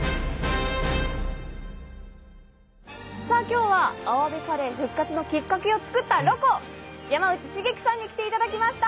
今日はアワビカレー復活のきっかけを作ったロコ山内繁樹さんに来ていただきました！